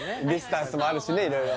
ディスタンスもあるしね